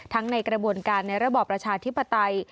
ในกระบวนการในระบอบประชาธิปไตย